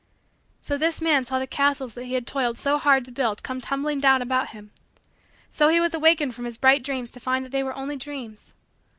So this man saw the castles that he had toiled so hard to build come tumbling down about him. So he was awakened from his bright dreams to find that they were only dreams.